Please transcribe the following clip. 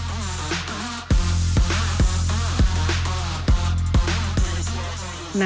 คือสวยแต่มีพิษทรงค่ะ